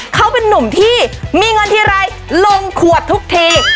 เขาเป็นนุ่มที่มีเงินทีไรลงขวดทุกที